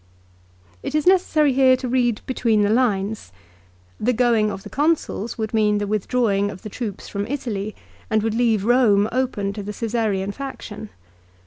It is necessary here to read between the lines. The going of the Consuls would mean the withdrawing of the troops from Italy and would leave Eoine open to the Csesarean faction.